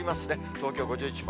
東京５１％。